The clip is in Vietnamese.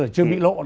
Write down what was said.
chưa bị lộ